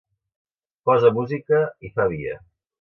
Posa música i fa via.